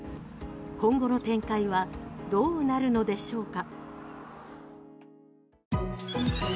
今後の展開はどうなるのでしょうか？